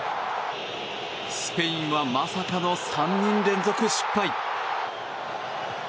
スペインはまさかの３人連続失敗。